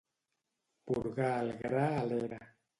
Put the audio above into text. Porgar el gra a l'era.